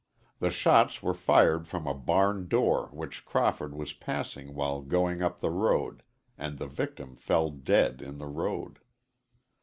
The shots were fired from a barn door which Crawford was passing while going up the road, and the victim fell dead in the road.